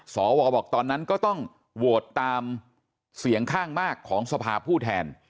สวบอกตอนนั้นก็ต้องโหวตตามเสียงข้างมากของสภาผู้แทน